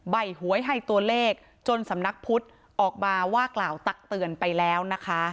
ใบหวยให้ตัวเลขจนสำนักพุทธออกมาว่ากล่าวตักเตือนไปแล้วนะคะ